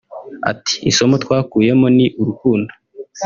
Ati”Isomo twakuyemo ni urukundo